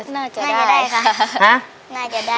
น่าจะได้ค่ะ